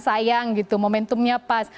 sayang gitu momentumnya pas